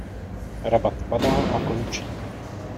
Rabat padá a končí.